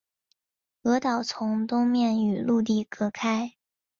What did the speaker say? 鹅岛从东面与陆地隔开。